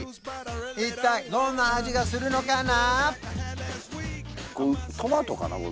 一体どんな味がするのかな？